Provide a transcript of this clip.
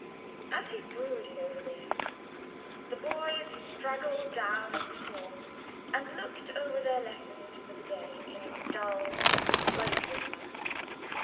As he brooded over this, the boys straggled down as before, and looked over their lessons for the day in a dull, lifeless manner.